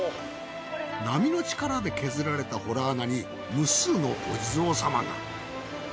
波の力で削られたほら穴に無数のお地蔵様が。